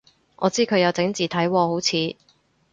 我知佢有整字體喎好似